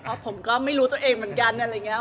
เพราะผมก็ไม่รู้ตัวเองเหมือนกัน